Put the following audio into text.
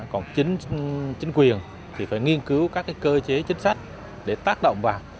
còn chính quyền thì phải nghiên cứu các cơ chế chính sách để tác động vào